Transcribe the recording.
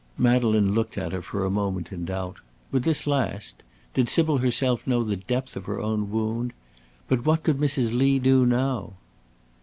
Madeleine looked at her for a moment in doubt. Would this last? did Sybil herself know the depth of her own wound? But what could Mrs. Lee do now?